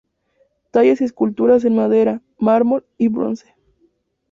Tallas y esculturas en madera, mármol y bronce.